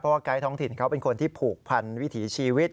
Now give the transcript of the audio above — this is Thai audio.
ไกด์ท้องถิ่นเขาเป็นคนที่ผูกพันวิถีชีวิต